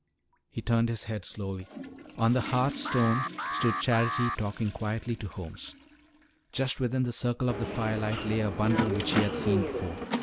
He turned his head slowly. On the hearth stone stood Charity talking quietly to Holmes. Just within the circle of the firelight lay a bundle which he had seen before.